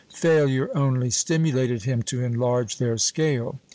Failure only stimulated him to enlarge their scale.